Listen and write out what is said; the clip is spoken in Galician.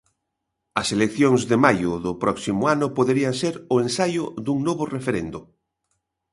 As eleccións de maio do próximo ano poderían ser o ensaio dun novo referendo.